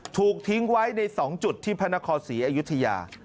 ถูกทิ้งไว้ใน๒จุดที่พระนครศรีอยุธยา